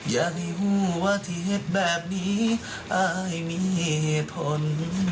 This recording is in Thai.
อยากให้หัวทีเห็ดแบบนี้อ้ายมีทน